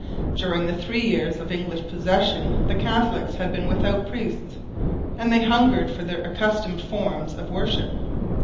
During the three years of English possession the Catholics had been without priests, and they hungered for their accustomed forms of worship.